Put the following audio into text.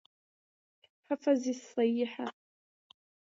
حفظی الصیحه